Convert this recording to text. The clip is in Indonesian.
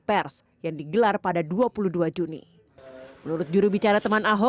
kami mendapatkan yang resmi itu seragam seperti ini